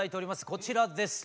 こちらです。